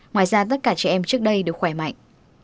ngoài ra tất cả trẻ em trước đây được khỏe mạnh